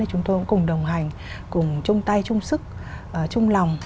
thì chúng tôi cũng cùng đồng hành cùng chung tay chung sức chung lòng